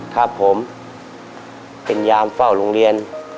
ครับผมเป็นยามเฝ้าโรงเรียน